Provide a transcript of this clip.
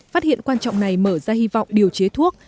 phát hiện quan trọng này mở ra hy vọng điều chế thuốc